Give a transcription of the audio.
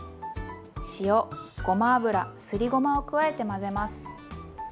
塩ごま油すりごまを加えて混ぜます。